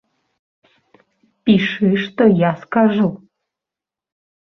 Пішы, што я скажу!